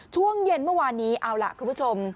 ช่วงเย็นเมื่อวานนี้เอาล่ะคุณผู้ชม